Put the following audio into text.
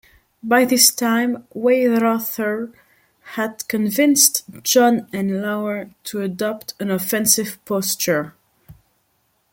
By this time, Weyrother had convinced John and Lauer to adopt an offensive posture.